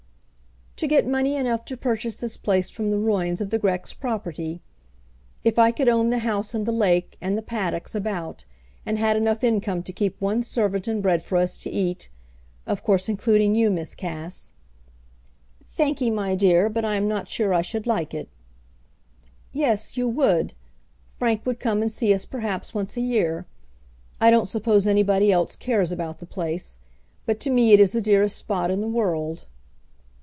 "To get money enough to purchase this place from the ruins of the Grex property. If I could own the house and the lake, and the paddocks about, and had enough income to keep one servant and bread for us to eat of course including you, Miss Cass " "Thank'ee, my dear; but I am not sure I should like it." "Yes; you would. Frank would come and see us perhaps once a year. I don't suppose anybody else cares about the place, but to me it is the dearest spot in the world."